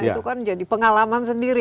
itu kan jadi pengalaman sendiri